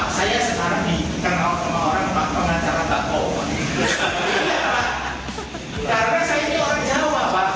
kalau sekarang kita lihat pak ini kan gambarnya si spn pak